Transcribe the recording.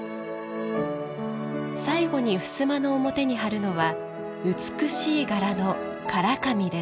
最後に、ふすまの表に張るのは美しい柄の唐紙です。